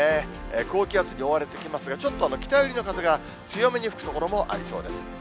高気圧に覆われてきますが、ちょっと北寄りの風が強めに吹く所もありそうです。